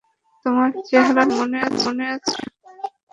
তোমার চেহারা মনে আছে আমার।